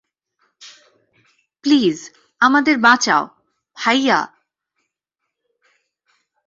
Please, আমাদের বাঁচাও, ভাইয়া!